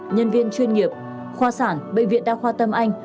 nhân viên chuyên nghiệp khoa sản bệnh viện đa khoa tâm anh